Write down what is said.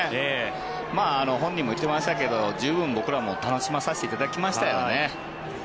本人も言っていましたけど十分僕らも楽しませていただきましたよね。